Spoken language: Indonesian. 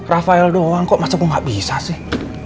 rafael doang kok maksud gue gak bisa sih